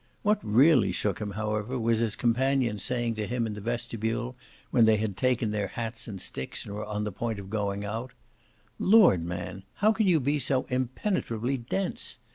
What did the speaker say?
What really shook him however was his companion's saying to him in the vestibule, when they had taken their hats and sticks and were on the point of going out: "Lord, man, how can you be so impenetrably dense?